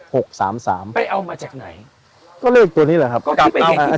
หกสามสามไปเอามาจากไหนก็เริ่มตัวนี้แหละครับก็คือเอา